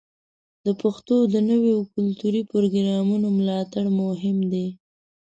د پښتو د نویو کلتوري پروګرامونو ملاتړ مهم دی.